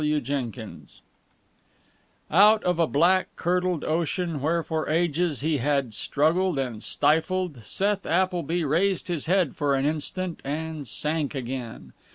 CHAPTER XII Out of a black curdled ocean where for ages he had struggled and stifled, Seth Appleby raised his head for an instant, and sank again.